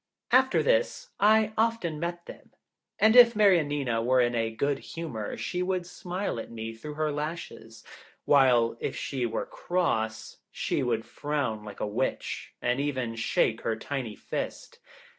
After this I often met them, and if Mariannina were in a good humour she would smile at me through her lashes, while if she were cross she would frown like a Witch, and even shake her tiny fist.